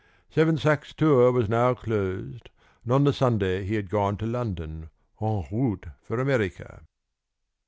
Seven Sachs's tour was now closed, and on the Sunday he had gone to London, en route for America.